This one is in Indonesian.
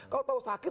kalau tahu sakit